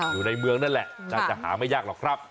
อยู่ในเมืองนั่นแหละน่าจะหาไม่ยากหรอกครับ